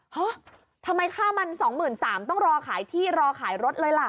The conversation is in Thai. ฮะทำไมค่ามันสองหมื่นสามต้องรอขายที่รอขายรถเลยล่ะ